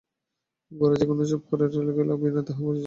গোরা যে কেন চুপ করিয়া গেল বিনয় তাহা বুঝিল।